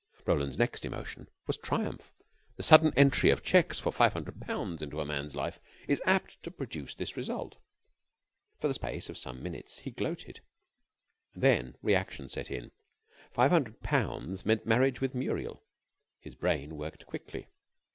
Roland's next emotion was triumph. The sudden entry of checks for five hundred pounds into a man's life is apt to produce this result. For the space of some minutes he gloated; and then reaction set in. Five hundred pounds meant marriage with Muriel. His brain worked quickly.